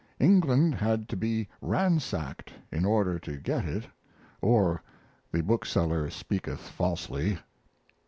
England had to be ransacked in order to get it or the bookseller speaketh falsely.